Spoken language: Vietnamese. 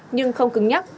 nhưng không cứng nhắc